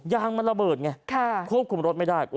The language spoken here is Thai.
ยางมันระเบิดไงควบคุมรถไม่ได้